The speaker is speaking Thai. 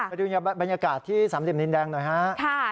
ไปดูบรรยากาศที่สามเหลี่ยมดินแดงหน่อยฮะ